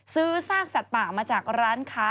ซากสัตว์ป่ามาจากร้านค้า